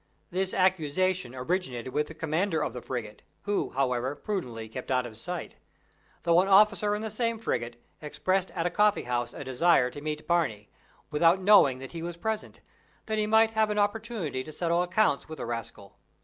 This accusation originated with the commander of the frigate, who, however, prudently kept out of sight; though an officer in the same frigate, expressed at a Coffee House, a desire to meet Barney, without knowing that he was present, that he might have an opportunity to settle accounts with the rascal.